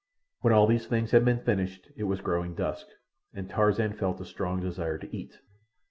When all these things had been finished it was growing dusk, and Tarzan felt a strong desire to eat.